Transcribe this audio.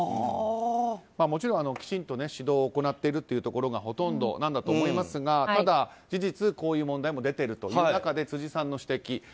もちろんきちんと指導を行っているところがほとんどだと思いますがただ、事実こういう問題も出ているという中で辻さんの指摘です。